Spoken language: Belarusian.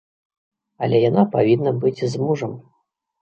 Але яна павінна быць з мужам.